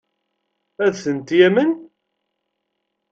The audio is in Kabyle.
Ad tent-yamen?